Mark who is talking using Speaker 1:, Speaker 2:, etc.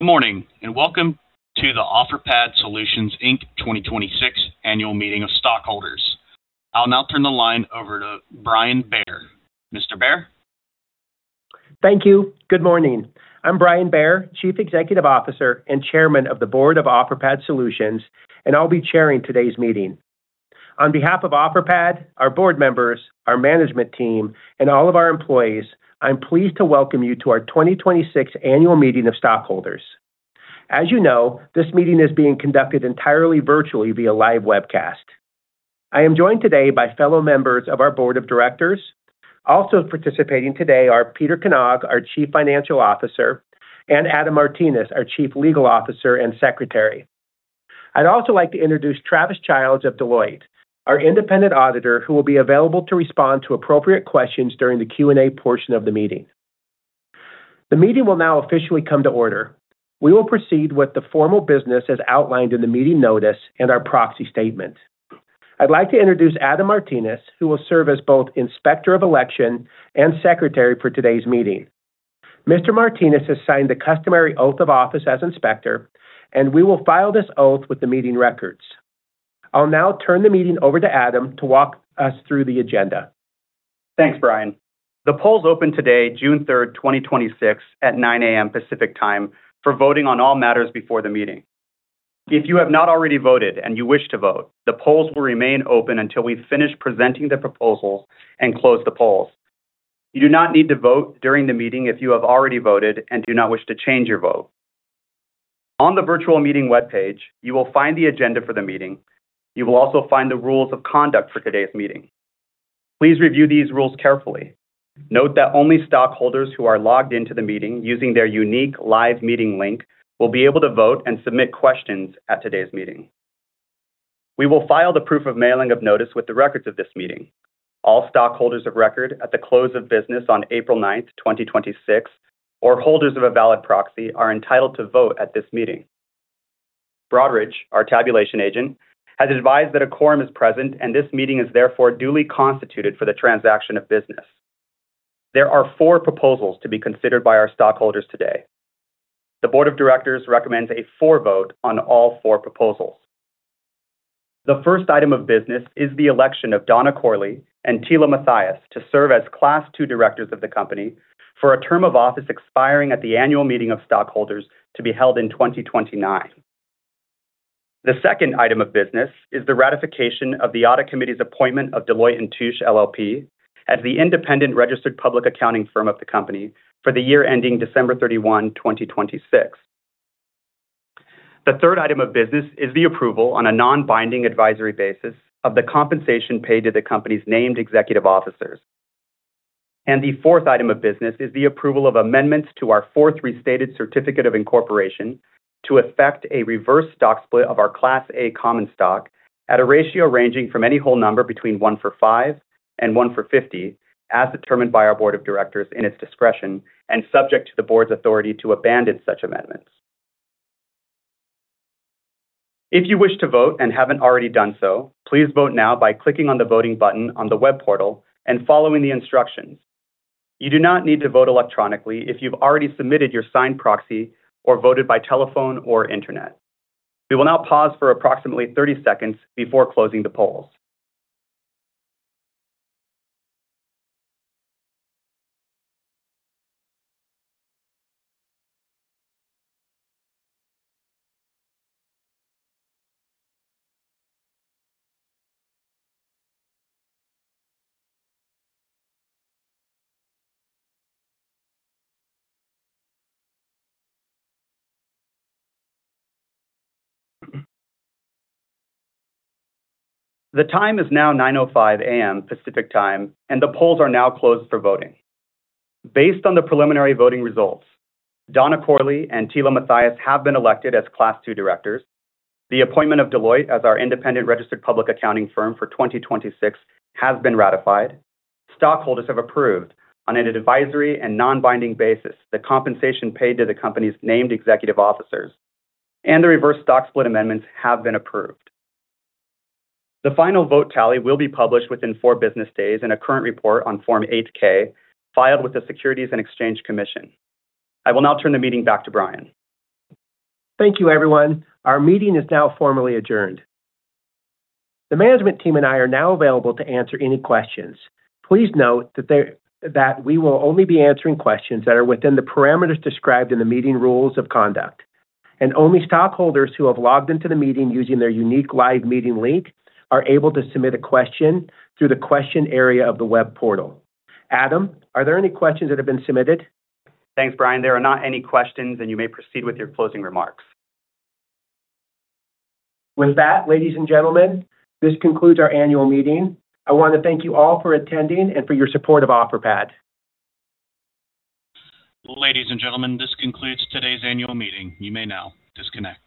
Speaker 1: Good morning, welcome to the Offerpad Solutions Inc. 2026 annual meeting of stockholders. I'll now turn the line over to Brian Bair. Mr. Bair?
Speaker 2: Thank you. Good morning. I'm Brian Bair, Chief Executive Officer and Chairman of the Board of Offerpad Solutions, and I'll be chairing today's meeting. On behalf of Offerpad, our board members, our management team, and all of our employees, I'm pleased to welcome you to our 2026 Annual Meeting of Stockholders. As you know, this meeting is being conducted entirely virtually via live webcast. I am joined today by fellow members of our board of directors. Also participating today are Peter Knag, our Chief Financial Officer, and Adam Martinez, our Chief Legal Officer and Secretary. I'd also like to introduce Travis Childs of Deloitte, our independent auditor, who will be available to respond to appropriate questions during the Q&A portion of the meeting. The meeting will now officially come to order. We will proceed with the formal business as outlined in the meeting notice and our proxy statement. I'd like to introduce Adam Martinez, who will serve as both Inspector of Election and Secretary for today's meeting. Mr. Martinez has signed the customary oath of office as Inspector, and we will file this oath with the meeting records. I'll now turn the meeting over to Adam to walk us through the agenda.
Speaker 3: Thanks, Brian. The polls opened today, June 3rd, 2026, at 9:00 A.M. Pacific Time for voting on all matters before the meeting. If you have not already voted and you wish to vote, the polls will remain open until we've finished presenting the proposals and close the polls. You do not need to vote during the meeting if you have already voted and do not wish to change your vote. On the virtual meeting webpage, you will find the agenda for the meeting. You will also find the rules of conduct for today's meeting. Please review these rules carefully. Note that only stockholders who are logged into the meeting using their unique live meeting link will be able to vote and submit questions at today's meeting. We will file the proof of mailing of notice with the records of this meeting. All stockholders of record at the close of business on April 9th, 2026, or holders of a valid proxy are entitled to vote at this meeting. Broadridge, our tabulation agent, has advised that a quorum is present, and this meeting is therefore duly constituted for the transaction of business. There are four proposals to be considered by our stockholders today. The board of directors recommends a vote for on all four proposals. The first item of business is the election of Donna Corley and Tela Mathias to serve as Class II Directors of the company for a term of office expiring at the annual meeting of stockholders to be held in 2029. The second item of business is the ratification of the Audit Committee's appointment of Deloitte & Touche LLP as the independent registered public accounting firm of the company for the year ending December 31, 2026. The third item of business is the approval on a non-binding advisory basis of the compensation paid to the company's named executive officers. The fourth item of business is the approval of amendments to our Fourth Restated Certificate of Incorporation to effect a reverse stock split of our Class A common stock at a ratio ranging from any whole number between one for five and one for 50, as determined by our board of directors in its discretion and subject to the board's authority to abandon such amendments. If you wish to vote and haven't already done so, please vote now by clicking on the voting button on the web portal and following the instructions. You do not need to vote electronically if you've already submitted your signed proxy or voted by telephone or internet. We will now pause for approximately 30 seconds before closing the polls. The time is now 9:05 A.M. Pacific Time, and the polls are now closed for voting. Based on the preliminary voting results, Donna Corley and Tela Mathias have been elected as Class II directors. The appointment of Deloitte as our independent registered public accounting firm for 2026 has been ratified. Stockholders have approved, on an advisory and non-binding basis, the compensation paid to the company's named executive officers. The reverse stock split amendments have been approved. The final vote tally will be published within four business days in a current report on Form 8-K filed with the Securities and Exchange Commission. I will now turn the meeting back to Brian.
Speaker 2: Thank you, everyone. Our meeting is now formally adjourned. The management team and I are now available to answer any questions. Please note that we will only be answering questions that are within the parameters described in the meeting rules of conduct, and only stockholders who have logged into the meeting using their unique live meeting link are able to submit a question through the question area of the web portal. Adam, are there any questions that have been submitted?
Speaker 3: Thanks, Brian. There are not any questions, and you may proceed with your closing remarks.
Speaker 2: With that, ladies and gentlemen, this concludes our annual meeting. I want to thank you all for attending and for your support of Offerpad.
Speaker 1: Ladies and gentlemen, this concludes today's annual meeting. You may now disconnect.